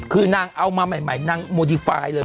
คือนางเอามาใหม่นางโมดีไฟล์เลย